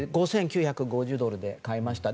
５９５０ドルで買いました。